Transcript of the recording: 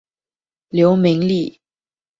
刘明利。